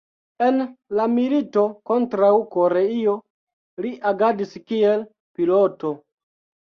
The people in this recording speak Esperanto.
En la milito kontraŭ Koreio li agadis kiel piloto.